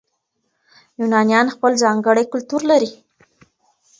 یونانیان خپل ځانګړی کلتور لري.